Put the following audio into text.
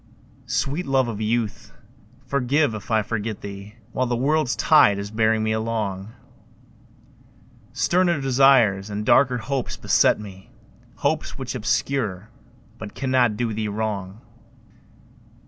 Sweet love of youth, forgive if I forget thee While the world's tide is bearing me along; Sterner desires and darker hopes beset me, Hopes which obscure but cannot do thee wrong.